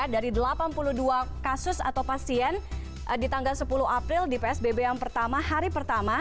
dari delapan puluh dua kasus atau pasien di tanggal sepuluh april di psbb yang pertama hari pertama